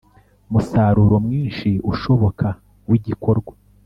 musaruro mwinshi ushoboka w igikorwa